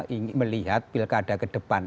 ingin melihat pilkada ke depan